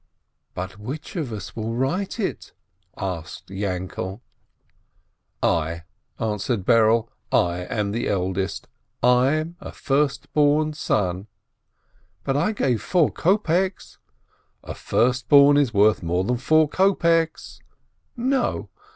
"But which of us will write it ?" asked Yainkele. "I," answered Berele, "I am the eldest, I'm a first born son." "But I gave four kopeks !" "A first born is worth more than four kopeks." "No!